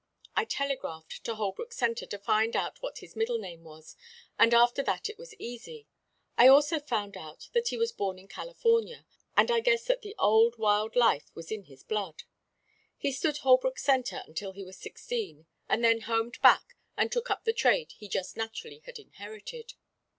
I telegraphed to Holbrook Centre to find out what his middle name was, and after that it was easy. I also found out that he was born in California, and I guess that old wild life was in his blood. He stood Holbrook Centre until he was sixteen, and then homed back and took up the trade he just naturally had inherited.